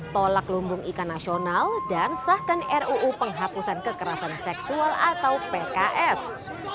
tolak lumbung ikan nasional dan sahkan ruu penghapusan kekerasan seksual atau pks